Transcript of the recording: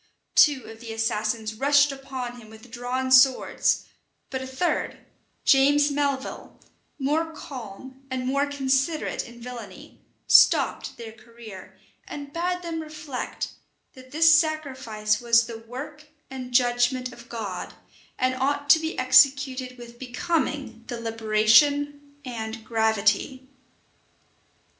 Two of the assassins rushed upon him with drawn swords; but a third, James Melvil, more calm and more considerate in villany, stopped their career, and bade them reflect, that this sacrifice was the work and judgment of God, and ought to be executed with becoming deliberation and gravity.